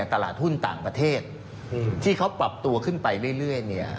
ตลาดหุ้นต่างประเทศที่เขาปรับตัวขึ้นไปเรื่อย